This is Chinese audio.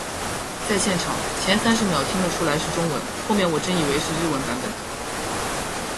在现场，前三十秒听得出来是中文，后面我真以为是日文版本的